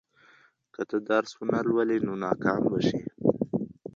که ته درس ونه لولې، نو ناکام به شې.